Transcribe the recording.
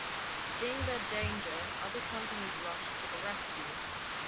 Seeing their danger other companies rushed to the rescue.